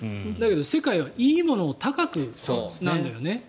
だけど世界はいいものを高くなんだよね。